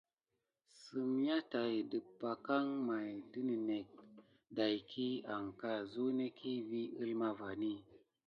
Semyà tàt ɗəpakɑŋ may də ninek dayki anka zuneki vi əlma vani.